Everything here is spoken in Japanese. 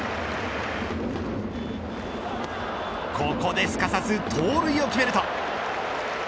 ここですかさず盗塁を決めると。